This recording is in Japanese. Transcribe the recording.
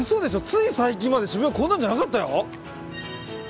つい最近まで渋谷こんなんじゃなかったよ。